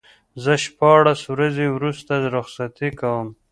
زه شپاړس ورځې وروسته رخصتي کوم.